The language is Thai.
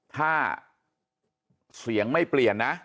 ถ้าเสียงไม่เปลี่ยนนะ